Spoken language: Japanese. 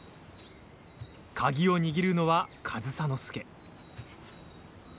鍵を握るのは、上総介。